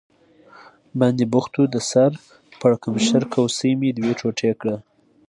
باندې بوخت و، د سر پړکمشر کوسۍ مې دوه ټوټې کړه.